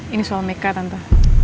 ini soal mereka tante